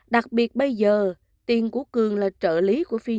đặc biệt bây giờ tiền của cường là trợ lý của phi